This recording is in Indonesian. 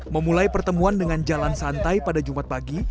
memulai pertemuan dengan jalan santai pada jumat pagi